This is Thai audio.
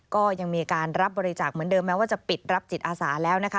ก็ยังมีการรับบริจาคเหมือนเดิมแม้ว่าจะปิดรับจิตอาสาแล้วนะคะ